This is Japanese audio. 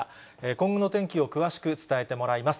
今後の天気を詳しく伝えてもらいます。